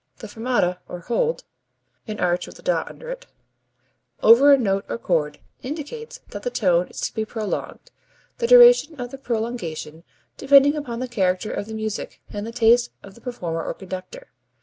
The fermata or hold [fermata symbol] over a note or chord indicates that the tone is to be prolonged, the duration of the prolongation depending upon the character of the music and the taste of the performer or conductor.